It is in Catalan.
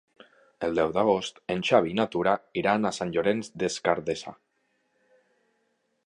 El deu d'agost en Xavi i na Tura iran a Sant Llorenç des Cardassar.